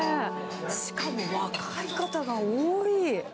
しかも若い方が多い。